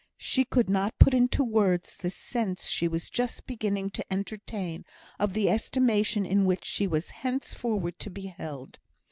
She could not put into words the sense she was just beginning to entertain of the estimation in which she was henceforward to be held.